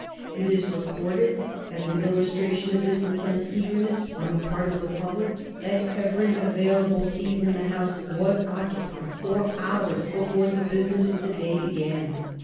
It is recorded, as an illustration of this intense eagerness on the part of the public, that every available seat in the House was occupied for hours before the business of the day began.